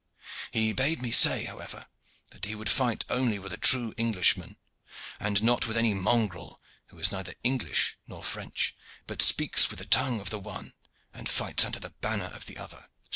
He bade me say, however, that he would fight only with a true Englishman, and not with any mongrel who is neither English nor French, but speaks with the tongue of the one, and fights under the banner of the other."